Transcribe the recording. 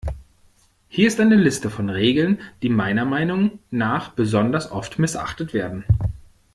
Hier ist eine Liste von Regeln, die meiner Meinung nach besonders oft missachtet werden.